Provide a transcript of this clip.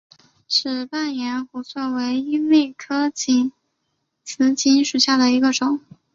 齿瓣延胡索为罂粟科紫堇属下的一个种。